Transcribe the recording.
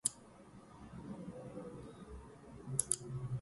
Describe the experiment conducted by the Professor.